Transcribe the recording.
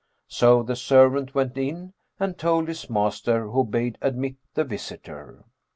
So the servant went in and told his master, who bade admit the visitor.